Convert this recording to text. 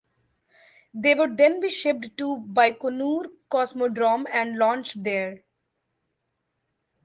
They would then be shipped to Baikonur Cosmodrome and launched there.